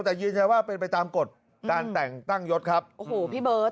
แต่ยืนยันว่าเป็นไปตามกฎการแต่งตั้งยศครับโอ้โหพี่เบิร์ต